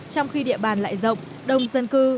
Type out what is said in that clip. trong khi địa bàn lại rộng đông dân cư